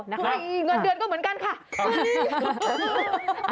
เงินเดือนก็เหมือนกันค่ะ